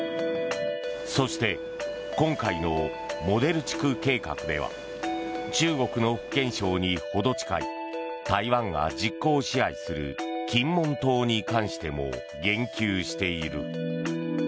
そして今回のモデル地区計画では中国の福建省に程近い台湾が実効支配する金門島に関しても言及している。